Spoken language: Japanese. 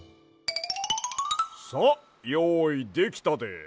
さあよういできたで。